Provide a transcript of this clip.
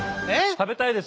食べたいです。